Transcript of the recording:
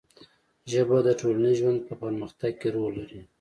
ژبه د ټولنیز ژوند په پرمختګ کې رول لري